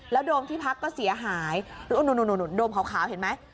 โดมที่พักก็เสียหายโดมขาวเห็นไหม